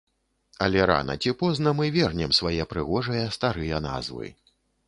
Але рана ці позна мы вернем свае прыгожыя старыя назвы.